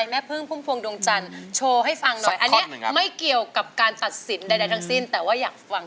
ทำไมเหล่าเหล่าดาระ